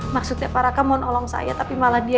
maksudnya para akak mohon allah